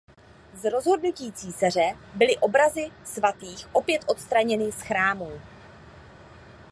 Z rozhodnutí císaře byly obrazy svatých opět odstraněny z chrámů.